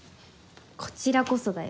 こちらこそだよ。